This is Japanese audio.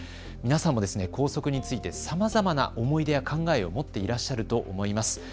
皆さんも校則についてさまざまな思い出や考えを持っていらっしゃると思います。